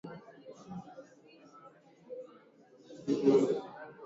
Banamuita kwa babayake